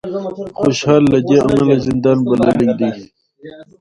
خوشال له دې امله زندان بللی دی